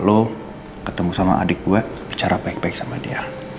lo ketemu sama adik gue bicara baik baik sama dia